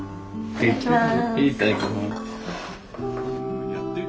いただきます。